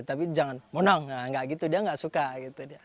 tapi jangan monang nah gak gitu dia gak suka gitu dia